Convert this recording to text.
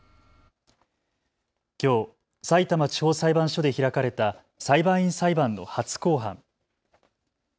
きょう、さいたま地方裁判所で開かれた裁判員裁判の初公判。